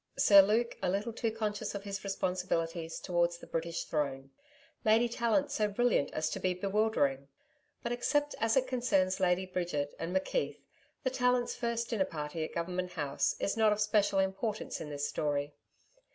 Sir Luke a little too conscious of his responsibilities towards the British Throne: Lady Tallant so brilliant as to be bewildering. But except as it concerns Lady Bridget and McKeith, the Tallant's first dinner party at Government House is not of special importance in this story.